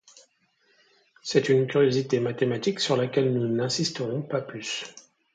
C'est une curiosité mathématique sur laquelle nous n'insisterons pas plus.